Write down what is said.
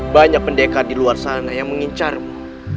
banyak pendekar di luar sana yang mengincarmu